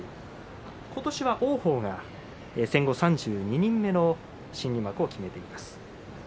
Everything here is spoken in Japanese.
今年は王鵬が戦後３２人目の新入幕を決めています。